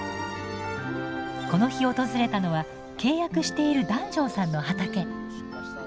この日訪れたのは契約している檀上さんの畑。